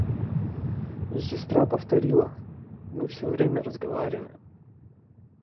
И сестра повторила: — Мы все время разговариваем.